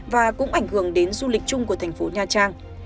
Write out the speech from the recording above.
và cũng ảnh hưởng đến du lịch chung của thành phố nha trang